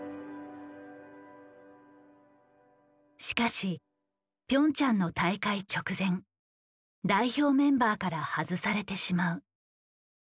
しかしピョンチャンの大会直前代表メンバーから外されてしまう。